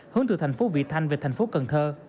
hướng từ thành phố vị thanh về thành phố cần thơ